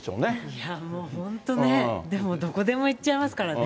いやもう本当ね、でもどこでもいっちゃいますからね。